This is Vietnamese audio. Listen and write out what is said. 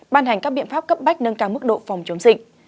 ban hành các biện pháp cấp bách nâng cao mức độ phòng chống dịch